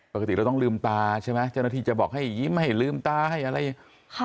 ปกติเราต้องลืมตาใช่ไหมเจ้าหน้าที่จะบอกให้ยิ้มให้ลืมตาให้อะไร